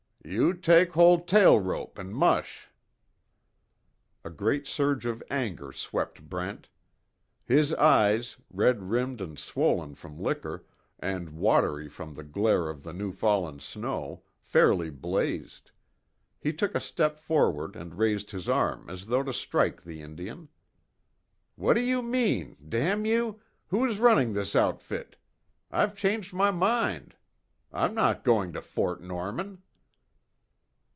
You tak hol' tail rope, an' mush." A great surge of anger swept Brent. His eyes, red rimmed and swollen from liquor, and watery from the glare of the new fallen snow, fairly blazed. He took a step forward and raised his arm as though to strike the Indian: "What do you mean? Damn you! Who is running this outfit? I've changed my mind. I'm not going to Fort Norman."